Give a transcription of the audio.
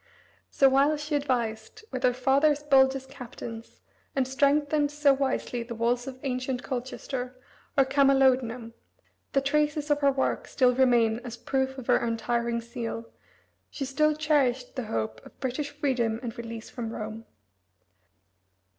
So, while she advised with her father's boldest captains and strengthened so wisely the walls of ancient Colchester, or Camalodunum, that traces of her work still remain as proof of her untiring zeal, she still cherished the hope of British freedom and release from Rome.